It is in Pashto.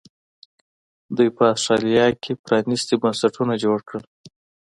دوی په اسټرالیا کې پرانیستي بنسټونه جوړ کړل.